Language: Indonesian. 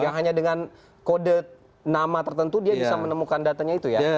ya hanya dengan kode nama tertentu dia bisa menemukan datanya itu ya